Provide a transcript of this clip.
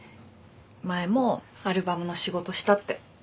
前もアルバムの仕事したって。